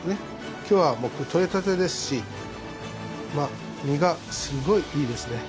今日はとれたてですし身がすごいいいですね。